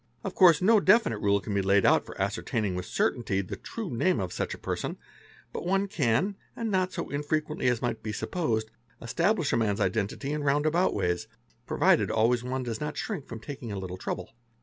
Of course no definite 'rule can be laid down for ascertaining with certainty the true name of 0h A Ahh AR AA BE NiO BAT} NRA NA AO OE BRR TS NETS ~ such a person, but one can, and not so infrequently as might be supposed, _ establish a man's identity in round about ways, provided always one does : not shrink from taking a little trouble.